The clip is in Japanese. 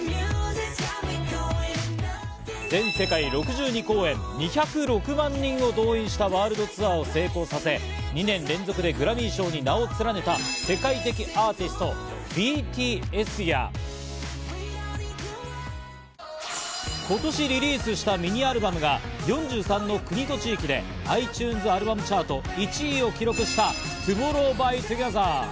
全世界６２公演、２０６万人を動員したワールドツアーを成功させ、２年連続でグラミー賞に名を連ねた世界的アーティスト・ＢＴＳや、今年リリースしたミニアルバムが４３の国と地域でｉＴｕｎｅｓアルバムチャート１位を記録したＴＯＭＯＲＲＯＷＸＴＯＧＥＴＨＥＲ。